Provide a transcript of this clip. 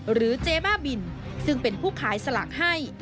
เจ๊บ้าบินซึ่งเป็นผู้ขายสลากให้